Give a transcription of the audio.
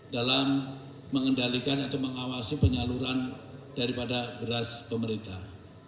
dalam mengendalikan atau mengawasi penyaluran daripada beras pemerintah